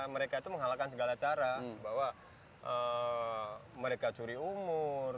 mereka itu menghalalkan segala cara bahwa mereka curi umur